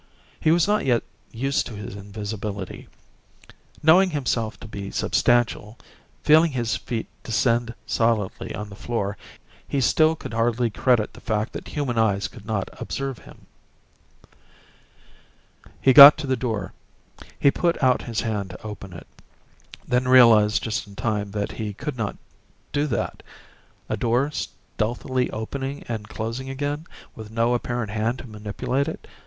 He was not yet used to his invisibility; knowing himself to be substantial, feeling his feet descend solidly on the floor, he still could hardly credit the fact that human eyes could not observe him. He got to the door. He put out his hand to open it, then realized just in time that he could not do that. A door stealthily opening and closing again, with no apparent hand to manipulate it?